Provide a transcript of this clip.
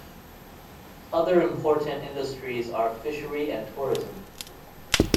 Other important industries are fishery and tourism.